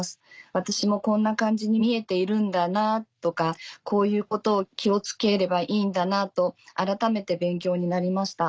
私もこんな感じに見えているんだなとかこういうことを気を付ければいいんだなと改めて勉強になりました」。